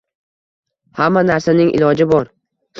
Hamma narsaning iloji bor